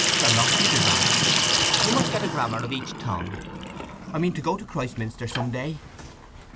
"A lofty desire. You must get a grammar of each tongue." "I mean to go to Christminster some day."